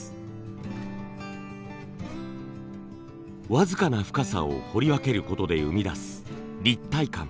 僅かな深さを彫り分けることで生み出す立体感。